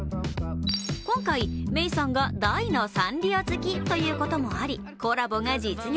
今回、メイさんが大のサンリオ好きということもありコラボが実現。